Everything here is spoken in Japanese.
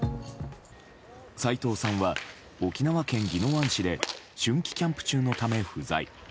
斎藤さんは沖縄県宜野湾市で春季キャンプ中のため不在。